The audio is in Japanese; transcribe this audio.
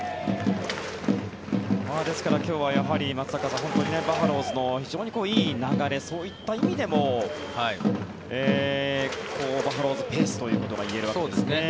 ですから、今日は松坂さん、バファローズの非常にいい流れそういった意味でもバファローズペースということがいえるわけですね。